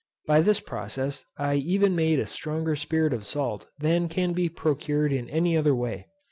By this process I even made a stronger spirit of salt than can be procured in any other way.